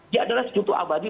dia adalah sekutu abadi